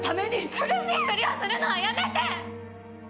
苦しいふりをするのはやめて！